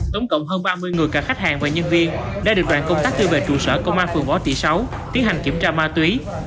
tổng cộng hơn ba mươi người cả khách hàng và nhân viên đã được đoàn công tác đưa về trụ sở công an phường võ thị sáu tiến hành kiểm tra ma túy